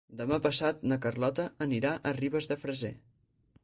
Demà passat na Carlota anirà a Ribes de Freser.